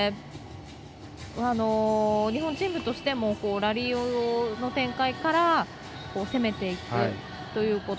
日本チームとしてもラリーの展開から攻めていくということ。